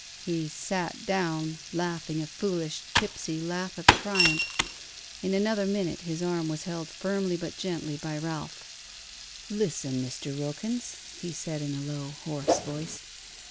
He sat down, laughing a foolish tipsy laugh of triumph. In another minute his arm was held firmly but gently by Ralph. "Listen, Mr. Wilkins," he said, in a low hoarse voice.